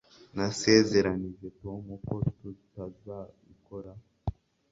Nasezeranije Tom ko tutazabikora